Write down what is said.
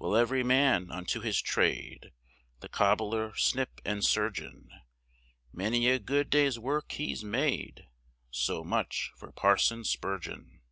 Well, every man unto his trade, The cobbler, snip, and surgeon, Many a good day's work he's made, So much for Parson Spurgeon.